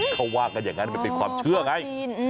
เขาว่ากันอย่างนั้นมันเป็นความเชื่อไง